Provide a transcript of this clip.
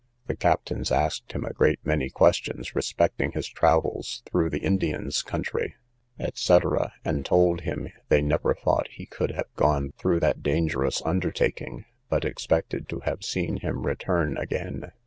The captains asked him a great many questions respecting his travels through the Indians' country, &c., and told him they never thought he could have gone through that dangerous undertaking, but expected to have seen him return again.